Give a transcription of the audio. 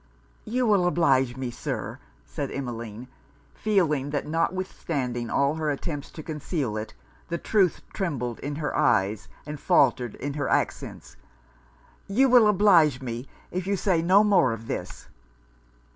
'You will oblige me, Sir,' said Emmeline, feeling that notwithstanding all her attempts to conceal it the truth trembled in her eyes and faultered in her accents 'you will oblige me if you say no more of this.'